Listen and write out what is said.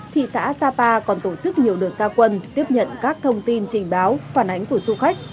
thị xã sapa còn tổ chức nhiều đợt gia quân tiếp nhận các thông tin trình báo phản ánh của du khách